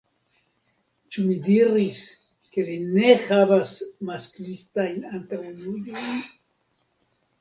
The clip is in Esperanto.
Ĉu mi diris ke li ne havas masklistajn antaŭjuĝojn?